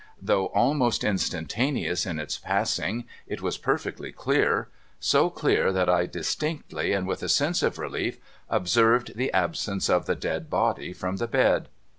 Though almost instantaneous in its passing, it was perfectly clear ; so clear that I distinctly, and with a sense of relief, observed the absence of the dead body from the bed.